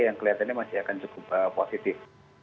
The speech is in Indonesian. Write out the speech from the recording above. yang kelihatannya masih akan cukup positif